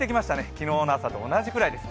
昨日の朝と同じくらいです。